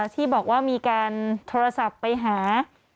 ที่บอกว่ามีการโทรศัพท์ไปหา